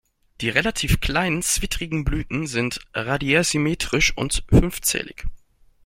Die relativ kleinen, zwittrigen Blüten sind radiärsymmetrisch und fünfzählig.